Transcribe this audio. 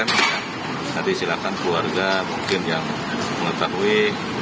nanti silakan keluarga mungkin yang mengetahui